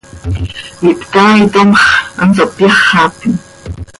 Ihptaaitom x, hanso hpyáxapim.